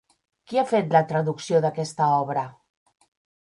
Qui ha fet la traducció d'aquesta obra?